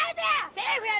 セーフや！